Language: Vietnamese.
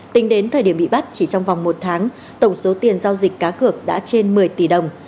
tính đến thời điểm bị bắt chỉ trong vòng một tháng tổng số tiền giao dịch cá cược đã trên một mươi tỷ đồng